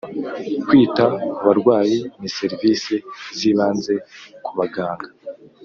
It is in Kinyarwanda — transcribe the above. Kwita kubarwayi ni serivise zibanze kubaganga